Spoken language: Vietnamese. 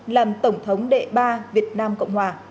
làm tổng thống đệ ba việt nam cộng hòa